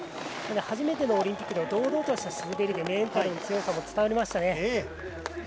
初めてのオリンピックで堂々とした滑りでメンタルの強さも伝わりましたね。